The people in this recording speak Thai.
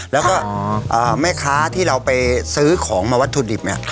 แล้วก็เมฆาะที่เราไปซื้อของมาวัดทุ่นดิบเนี่ย